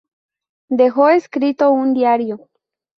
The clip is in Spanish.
Dejó escrito un diario.